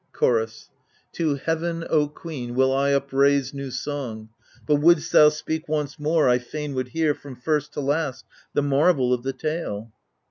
Chorus To heaven, O queen, will I upraise new song : But, wouldst thou speak once more, I fain would hear From first to last the marvel of the tale.